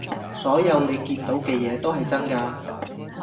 所有你見到嘅嘢都係真㗎